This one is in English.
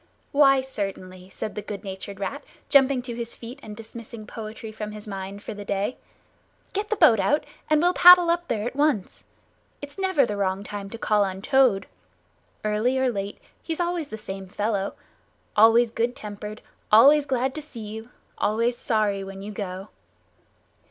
"Why, certainly," said the good natured Rat, jumping to his feet and dismissing poetry from his mind for the day. "Get the boat out, and we'll paddle up there at once. It's never the wrong time to call on Toad. Early or late he's always the same fellow. Always good tempered, always glad to see you, always sorry when you go!"